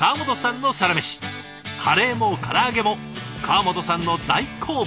カレーもからあげも川本さんの大好物。